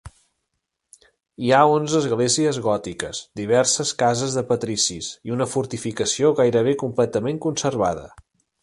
Hi ha onze esglésies gòtiques, diverses cases de patricis i una fortificació gairebé completament conservada.